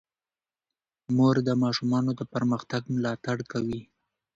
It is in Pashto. مور د ماشومانو د پرمختګ ملاتړ کوي.